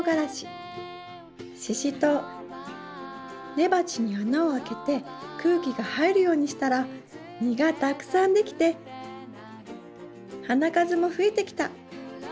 根鉢に穴を開けて空気が入るようにしたら実がたくさんできて花数も増えてきた！